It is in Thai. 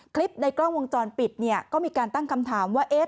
ในกล้องวงจรปิดเนี่ยก็มีการตั้งคำถามว่าเอ๊ะ